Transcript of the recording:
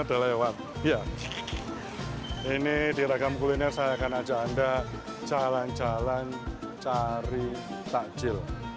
udah lewat ya ini diragam kuliner saya akan ajak anda jalan jalan cari takjil